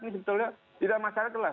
ini sebetulnya tidak masyarakat lah